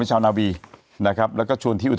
เจ้าหน้าที่